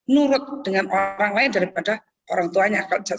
nurut dengan orang lain daripada orang tuanya